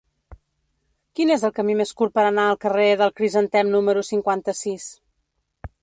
Quin és el camí més curt per anar al carrer del Crisantem número cinquanta-sis?